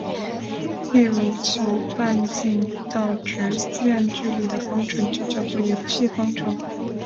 例如求半径到直线距离的方程就可以叫圆系方程。